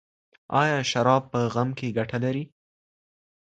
ایا شراب په غم کي ګټه لري؟